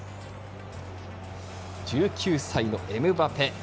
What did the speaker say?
１９歳のエムバペ。